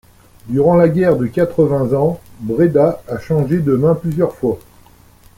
Durant la guerre de Quatre-Vingts Ans, Bréda a changé de mains plusieurs fois.